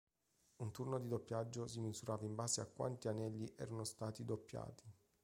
Un turno di doppiaggio si misurava in base a quanti anelli erano stati doppiati.